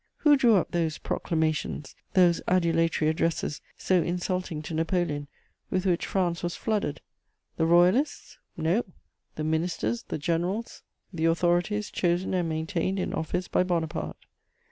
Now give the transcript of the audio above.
Who drew up those proclamations, those adulatory addresses, so insulting to Napoleon, with which France was flooded? The Royalists? No: the ministers, the generals, the authorities chosen and maintained in office by Bonaparte.